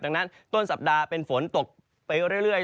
ดังนั้นต้นสัปดาห์เป็นฝนตกไปเรื่อย